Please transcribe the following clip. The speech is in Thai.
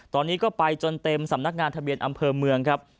ตอนนี้ก็ไปจนเต็มสำนักงานทะเบียนอำเภอเมืองครับ